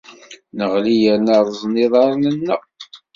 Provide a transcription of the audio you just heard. Neɣli yerna rrẓen yiḍarren-nneɣ.